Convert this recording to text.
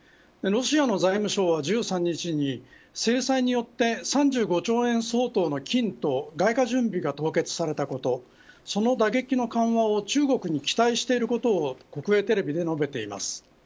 ロシアの財務相は１３日に制裁によって３５兆円相当の金と外貨準備が凍結されたこと、その打撃の緩和を中国に期待していることを国営テレビで述べています。